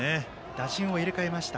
打順を入れ替えました。